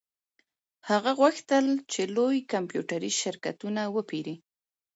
هغه غوښتل چې لوی کمپیوټري شرکتونه وپیري